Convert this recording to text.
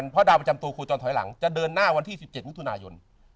เพราะดาวประจำตัวครูตอนถอยหลังจะเดินหน้าวันที่๑๗มิถุนายน